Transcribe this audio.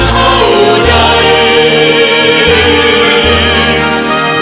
ไม่เร่รวนภาวะผวังคิดกังคัน